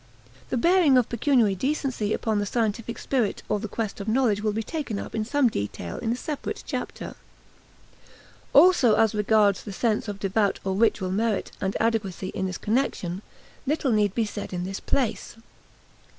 The bearing of pecuniary decency upon the scientific spirit or the quest of knowledge will be taken up in some detail in a separate chapter. Also as regards the sense of devout or ritual merit and adequacy in this connection, little need be said in this place.